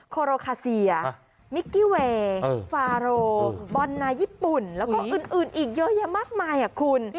โคโรคาเซียมิกกี้เวย์ฟาโรบอลนาญี่ปุ่นแล้วก็อื่นอีกเยอะแยะมากมายคุณ